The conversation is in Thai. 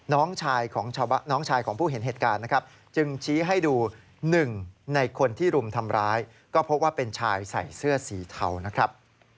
น้องชายของผู้เห็นเหตุการณ์นะครับจึงชี้ให้ดูหนึ่งในคนที่รุมทำร้ายก็พบว่าเป็นชายใส่เสื้อสีเทานะครับ